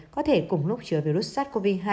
có thể cùng lúc chữa virus sars cov hai